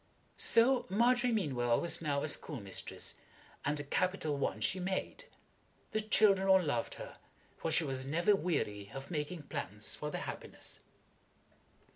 So Margery Meanwell was now a schoolmistress, and a capital one she made. The children all loved her, for she was never weary of making plans for their happiness.